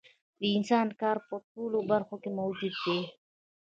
د انسان کار په ټولو برخو کې موجود دی